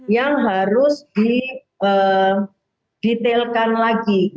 yang harus didetailkan lagi